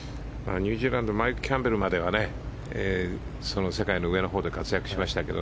ニュージーランドはマイク・キャンベルくらいまではその世界の上のほうで活躍しましたけど。